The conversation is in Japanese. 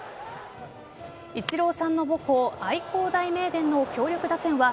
イチローさんの母校愛工大名電の強力打線は